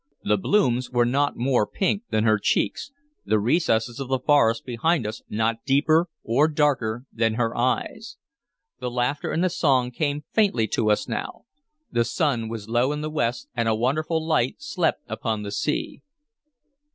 The blooms were not more pink than her cheeks, the recesses of the forest behind us not deeper or darker than her eyes. The laughter and the song came faintly to us now. The sun was low in the west, and a wonderful light slept upon the sea.